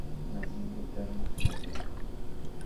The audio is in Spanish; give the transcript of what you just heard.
Nació en Victoria, Malleco.